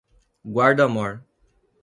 Guarda-Mor